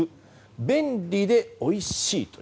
便利でおいしいと。